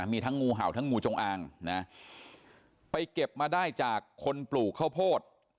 มีทั้งงูเห่าทั้งงูจงอางนะไปเก็บมาได้จากคนปลูกข้าวโพด